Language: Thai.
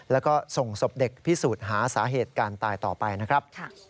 แล้วก็ส่งศพเด็กพิสูจน์หาสาเหตุการตายต่อไปนะครับ